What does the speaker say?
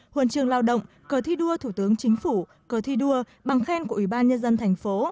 huần trường lao động cờ thi đua thủ tướng chính phủ cờ thi đua bằng khen của ủy ban nhân dân thành phố